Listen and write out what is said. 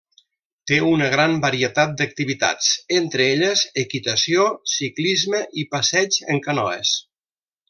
Té una gran varietat d'activitats entre elles equitació, ciclisme i passeig en canoes.